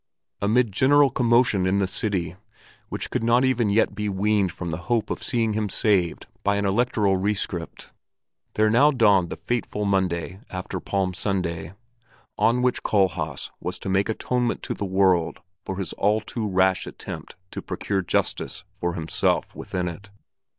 Amid general commotion in the city, which could not even yet be weaned from the hope of seeing him saved by an electoral rescript, there now dawned the fateful Monday after Palm Sunday, on which Kohlhaas was to make atonement to the world for the all too rash attempt to procure justice for himself within it.